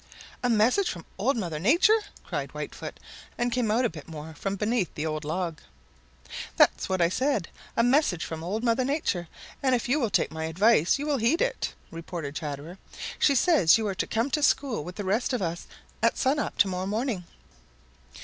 "A message from Old Mother Nature!" cried Whitefoot, and came out a bit more from beneath the old log. "That's what I said, a message from Old Mother Nature, and if you will take my advice you will heed it," retorted Chatterer. "She says you are to come to school with the rest of us at sun up to morrow morning."